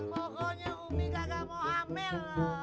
pokoknya umi gak mau amin